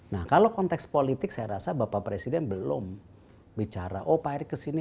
nah kalau konteks politik saya rasa bapak presiden belum bicara oh pak erick kesini